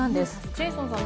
ジェイソンさん